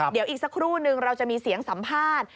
เดี๋ยวอีกสักครู่นึงเราจะมีเสียงสัมภาษณ์